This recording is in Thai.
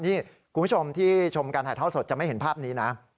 นี่คุณผู้ชมที่ชมการถ่ายท่อสดจะไม่เห็นภาพนี้นะ